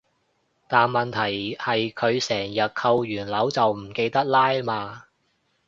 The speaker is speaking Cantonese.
但問題係佢成日扣完鈕就唔記得拉嘛